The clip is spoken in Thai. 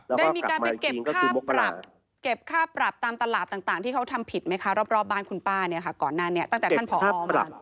ได้มีการไปเก็บค่าปรับเก็บค่าปรับตามตลาดต่างที่เขาทำผิดไหมคะรอบบ้านคุณป้าเนี่ยค่ะก่อนหน้านี้ตั้งแต่ท่านผอมา